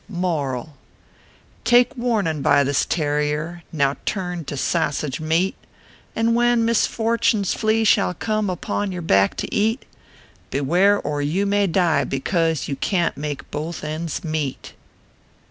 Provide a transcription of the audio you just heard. MORAL. Take warnin by this tarrier, Now turned to sassidge meat; And when misfortin s flea shall come Upon your back to eat, . Beware, or you may die because You can t make both ends meet.